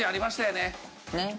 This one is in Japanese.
ねっ。